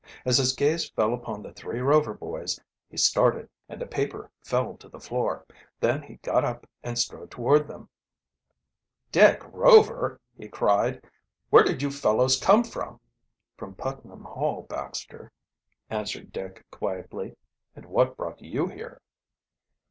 As his gaze fell upon the three Rover boys he started and the paper fell to the floor, then he got up and strode toward them. "Dick Rover!" he cried. "Where did you fellows come from?" "From Putnam Hall, Baxter," answered Dick quietly. "And what brought you here?"